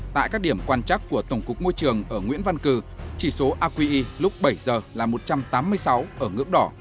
tại các điểm quan trắc của tổng cục môi trường ở nguyễn văn cử chỉ số aqi lúc bảy giờ là một trăm tám mươi sáu ở ngưỡng đỏ